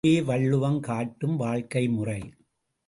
இதுவே வள்ளுவம் காட்டும் வாழ்க்கைமுறை.